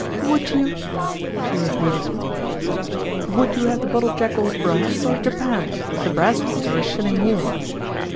..." Would you " she repeated ..." Would you have the bottle jack all brass, or japanned? The brass ones are a shilling more."